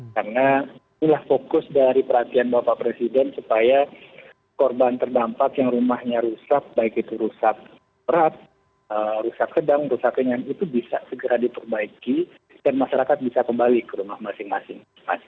karena inilah fokus dari perhatian bapak presiden supaya korban terdampak yang rumahnya rusak baik itu rusak perat rusak sedang rusak kenyang itu bisa segera diperbaiki dan masyarakat bisa kembali ke rumah masing masing